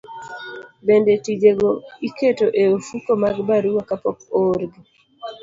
Bende tijego iketo e ofuko mag barua kapok oorgi.